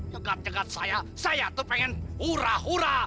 jegat jegat saya saya tuh pengen hura hura